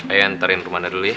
ayo antarin ke rumah anda dulu ya